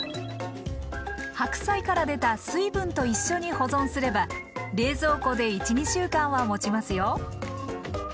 白菜から出た水分と一緒に保存すれば冷蔵庫で１２週間はもちますよ！